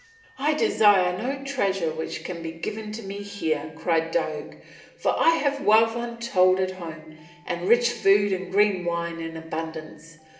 "I desire no treasure which can be given to me here," cried Diuk, "for I have wealth untold at home, and rich food and green wine in abundance.